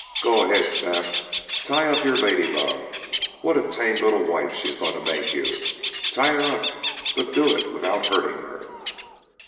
"Go ahead, Snap, tie up your lady love. What a tame little wife she's going to make you! Tie her up, but do it without hurting her."